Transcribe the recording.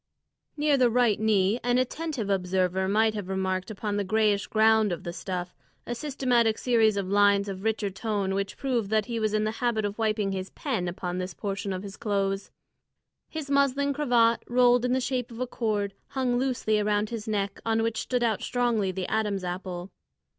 Near the right knee an attentive observer might have remarked upon the greyish ground of the stuff a systematic series of lines of richer tone which proved that he was in the habit of wiping his pen upon this portion of his clothes. His muslin cravat, rolled in the shape of a cord, hung loosely around his neck, on which stood out strongly the Adam's apple.